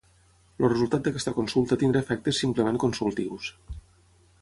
El resultat d’aquesta consulta tindrà efectes simplement consultius.